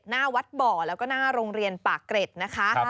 หน้าวัดบ่อแล้วก็หน้าโรงเรียนปากเกร็ดนะคะ